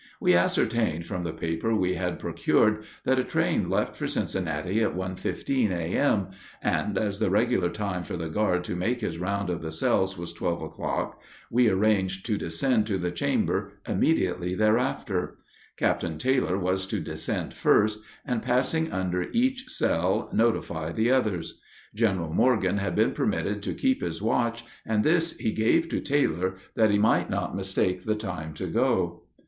We ascertained from the paper we had procured that a train left for Cincinnati at 1.15 A.M., and as the regular time for the guard to make his round of the cells was twelve o'clock, we arranged to descend to the chamber immediately thereafter. Captain Taylor was to descend first, and, passing under each cell, notify the others. General Morgan had been permitted to keep his watch, and this he gave to Taylor that he might not mistake the time to go.